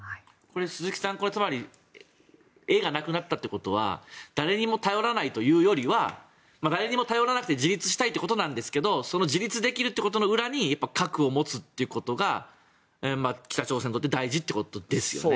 鈴木さん、これはつまり絵がなくなったということは誰にも頼らないというよりは誰にも頼らなくて自立したいということなんですけどその自立できるってことの裏に核を持つということが北朝鮮にとって大事ということですよね。